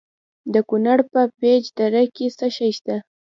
د کونړ په پيچ دره کې څه شی شته؟